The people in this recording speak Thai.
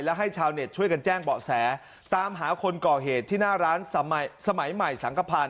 และให้ชาวเน็ตช่วยกันแจ้งเบาะแสตามหาคนก่อเหตุที่หน้าร้านสมัยใหม่สังขพันธ์